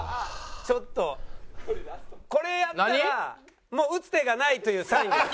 ちょっとこれやったらもう打つ手がないというサインです。